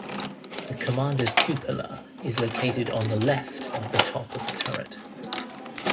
The commander's cupola is located on the left of the top of the turret.